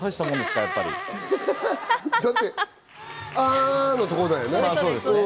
だって「あぁ」のところだよね。